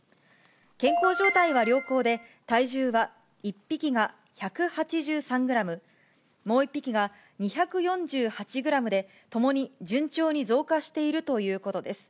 健康状態は良好で、体重は１匹が１８３グラム、もう１匹が２４８グラムで、ともに順調に増加しているということです。